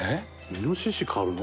「イノシシ狩るの？